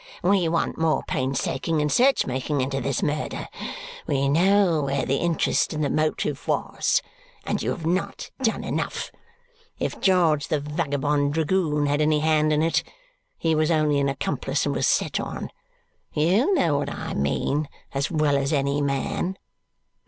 We want more painstaking and search making into this murder. We know where the interest and the motive was, and you have not done enough. If George the vagabond dragoon had any hand in it, he was only an accomplice, and was set on. You know what I mean as well as any man."